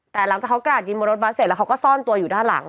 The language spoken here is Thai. แต่หลังจากเขากราดยิงบนรถบัสเสร็จแล้วเขาก็ซ่อนตัวอยู่ด้านหลัง